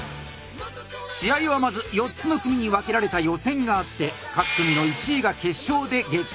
試合はまず４つの組に分けられた予選があって各組の１位が決勝で激突！